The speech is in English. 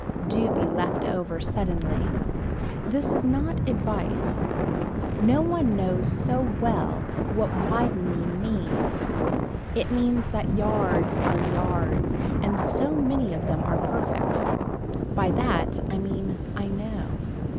Do be left over suddenly. This is not advice. No one knows so well what widening means. It means that yards are yards and so many of them are perfect. By that I mean I know.